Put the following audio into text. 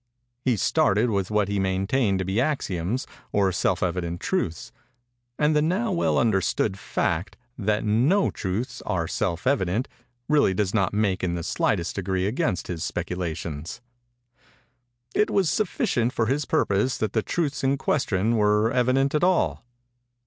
He started with what he maintained to be axioms, or self evident truths:—and the now well understood fact that no truths are self evident, really does not make in the slightest degree against his speculations:—it was sufficient for his purpose that the truths in question were evident at all.